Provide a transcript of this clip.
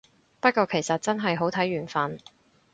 不過其實真係好睇緣份